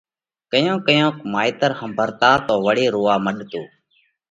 ڪيونڪ ڪيونڪ مائيتر ۿمڀرتا تو وۯي رووا مڏتو